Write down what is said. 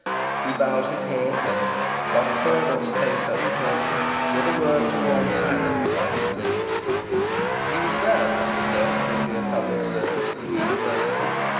He bowed his head; and "Moriturus te saluto" were the words formed silently by his lips. He was glad that his death would be a public service to the University.